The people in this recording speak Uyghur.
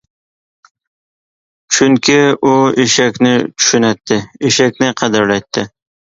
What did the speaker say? چۈنكى، ئۇ ئېشەكنى چۈشىنەتتى، ئېشەكنى قەدىرلەيتتى.